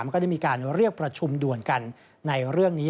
ก็ได้มีการเรียกประชุมด่วนกันในเรื่องนี้